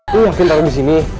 gua yakin taro disini